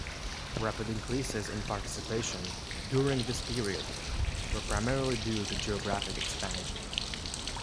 Rapid increases in participation during this period were primarily due to geographic expansion.